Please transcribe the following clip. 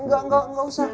enggak enggak enggak usah